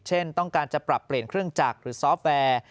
เช่นต้องการจะปรับเปลี่ยนเครื่องจักรหรือซอฟต์แวร์